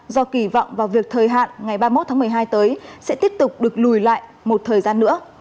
do kỳ vọng vào việc thời hạn ngày ba mươi một tháng một mươi hai tới sẽ tiếp tục được lùi lại một thời gian nữa